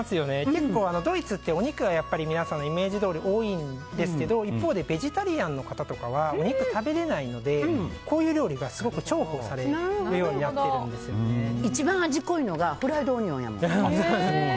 結構ドイツってお肉が皆さんのイメージどおり多いんですけど一方でベジタリアンの方とかはお肉を食べられないのでこういう料理がすごく重宝されるように一番味濃いのがフライドオニオンやもん。